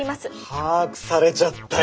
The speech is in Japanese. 把握されちゃったよ。